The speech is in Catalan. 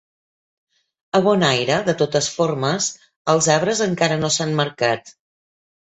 A Bonaire, de totes formes, els arbres encara no s'han marcat.